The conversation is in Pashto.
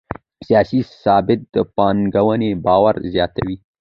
سیاسي ثبات د پانګونې باور زیاتوي